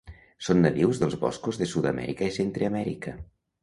Són nadius dels boscos de Sud-amèrica i Centreamèrica.